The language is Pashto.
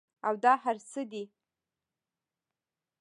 او دا هر څۀ دي